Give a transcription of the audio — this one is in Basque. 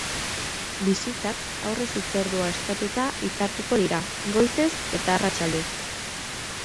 Bisitak aurrez hitzordua eskatuta hitzartuko dira, goizez eta arratsaldez.